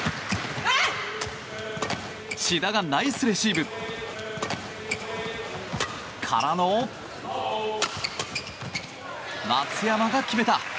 志田がナイスレシーブ！からの松山が決めた！